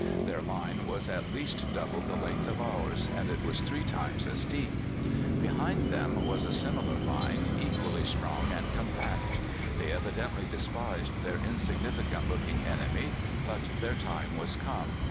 Their line was at least double the length of ours, and it was three times as deep. Behind them was a similar line, equally strong and compact. They evidently despised their insignificant looking enemy, but their time was come.